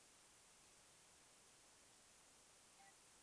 Mitaa ya jiji hilo ni misafi na imepangika vyema